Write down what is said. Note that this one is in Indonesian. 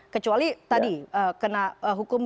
kecuali tadi kena hukum